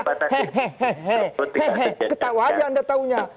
ketawa aja anda tahunya